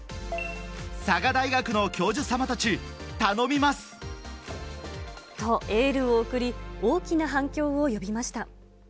佐賀大学の教授様たち、と、エールを送り、大きな反響を呼びました。